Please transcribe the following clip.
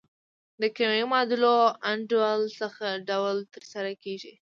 د کیمیاوي معادلو انډول څه ډول تر سره کیږي؟